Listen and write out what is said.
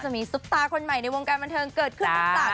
จะมีซุปตาคนใหม่ในวงการบรรเทิงเกิดขึ้นทุกศาสตร์